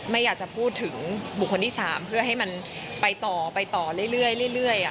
ไม่อยากจะพูดถึงบุคคลที่๓เพื่อให้มันไปต่อไปต่อเรื่อย